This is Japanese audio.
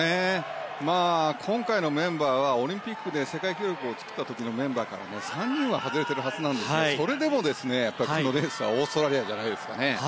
今回のメンバーはオリンピックで世界記録を作った時のメンバーから３人は外れているんですがそれでもこのレースはオーストラリアじゃないですかね。